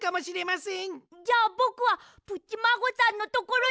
じゃあぼくはプッチマーゴさんのところに。